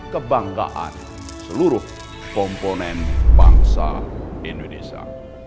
kebanggaan seluruh komponen bangsa indonesia